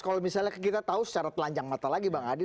kalau misalnya kita tahu secara telanjang mata lagi bang adi